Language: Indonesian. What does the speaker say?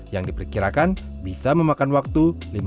yang diperkirakan bisa memakan waktu